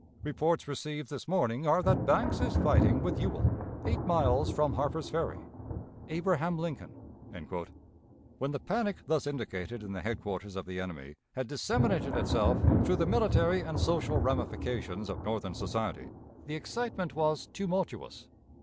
Reports received this morning are that Banks is fighting with Ewell, eight miles from Harper's Ferry. "ABRAHAM LINCOLN." When the panic thus indicated in the headquarters of the enemy had disseminated itself through the military and social ramifications of Northern society, the excitement was tumultuous.